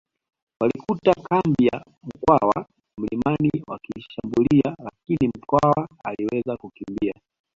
Walikuta kambi ya Mkwawa mlimani wakaishambulia lakini Mkwawa aliweza kukimbia